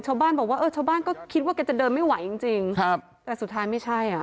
ชาวบ้านบอกว่าชาวบ้านก็คิดว่าจะเดินไม่ไหวจริงแต่สุดท้ายไม่ใช่อ่ะ